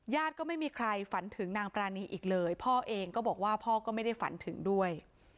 ก็ไม่มีใครฝันถึงนางปรานีอีกเลยพ่อเองก็บอกว่าพ่อก็ไม่ได้ฝันถึงด้วย